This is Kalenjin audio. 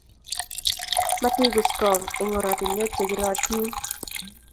Matiguskong' eng' ortinwek chekerotin.